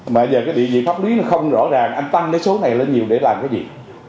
mà giờ cái địa vị pháp lý nó không rõ ràng anh tăng cái số này lên nhiều để làm cái gì